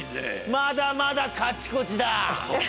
まだまだカチコチだ！